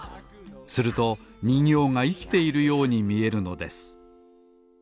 すると人形がいきているようにみえるのです